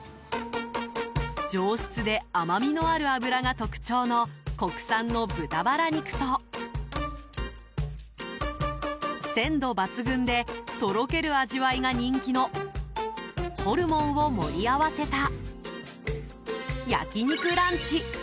上質で甘みのある脂が特徴の国産の豚バラ肉と鮮度抜群でとろける味わいが人気のホルモンを盛り合わせた焼肉ランチ。